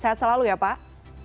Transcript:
sehat selalu ya pak